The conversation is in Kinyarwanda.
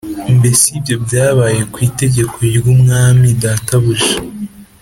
Mbese ibyo byabaye ku itegeko ry’umwami databuja